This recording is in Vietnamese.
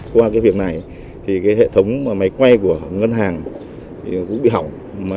qua việc này hệ thống máy quay của ngân hàng cũng bị hỏng